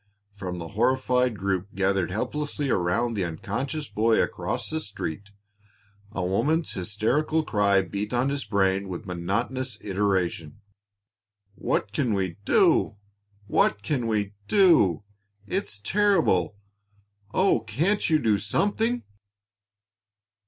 From the horrified group gathered helplessly around the unconscious boy across the street, a woman's hysterical cry beat on his brain with monotonous iteration: "What can we do? What can we do? It's terrible! Oh, can't you do something?"